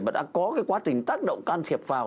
mà đã có cái quá trình tác động can thiệp vào